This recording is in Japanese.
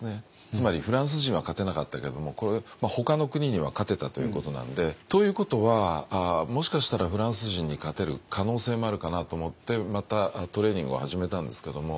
つまりフランス人は勝てなかったけどもほかの国には勝てたということなんでということはもしかしたらフランス人に勝てる可能性もあるかなと思ってまたトレーニングを始めたんですけども。